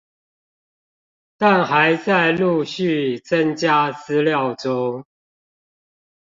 但還在陸續增加資料中